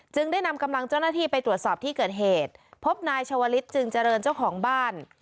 ได้นำกำลังเจ้าหน้าที่ไปตรวจสอบที่เกิดเหตุพบนายชาวลิศจึงเจริญเจ้าของบ้าน